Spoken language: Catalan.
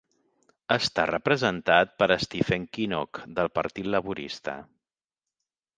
Està representat per Stephen Kinnock del Partit Laborista.